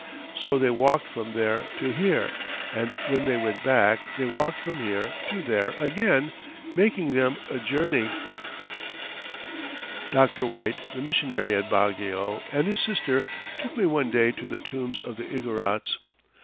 So they walked from there to here, and when they went back, they walked from here to there again, making them a journey." [Illustration: IGOROT OUTSIDE HIS HOUSE.] Doctor White, the missionary at Baguio, and his sister took me one day to the tombs of the Igorots.